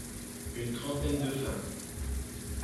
Une trentaine de femmes.